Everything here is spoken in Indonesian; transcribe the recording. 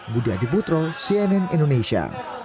budi adibutro cnn indonesia